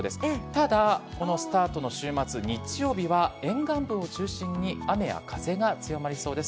ただ、このスタートの週末日曜日は沿岸部を中心に雨や風が強まりそうです。